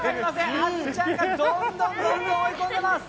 あずちゃんがどんどん追い込んでます。